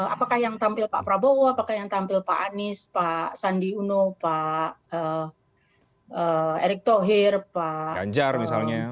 apakah yang tampil pak prabowo apakah yang tampil pak anies pak sandi uno pak erick thohir pak ganjar misalnya